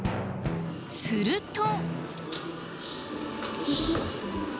すると。